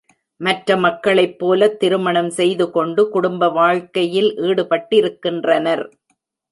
மற்ற மக்களைப் போலத் திருமணம் செய்து கொண்டு, குடும்ப வாழ்க்கையில் ஈடுபட்டிருக்கின்றனர்.